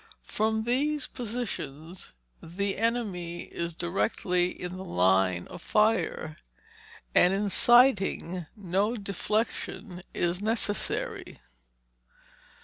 From these positions the enemy is directly in the line of fire, and in sighting no deflection is necessary.